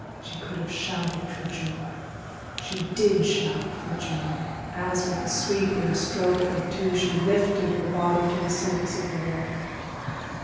She could have shouted for joy. She did shout for joy, as with a sweeping stroke or two she lifted her body to the surface of the water.